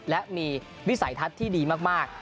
และมีวิสัยทัศน์ที่ดีมาก